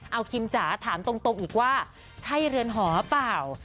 เอาคิมจ๋าถามตรงอีกว่าใช่เรือนหอหรือเปล่า